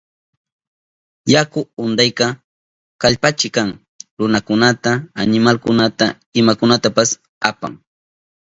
Yaku untayka kallpachik kan, runakunata, animalkunata, imakunatapas apan.